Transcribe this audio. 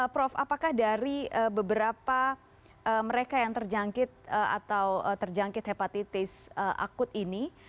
prof apakah dari beberapa mereka yang terjangkit atau terjangkit hepatitis akut ini